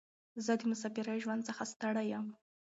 زه د مساپرۍ ژوند څخه ستړی یم.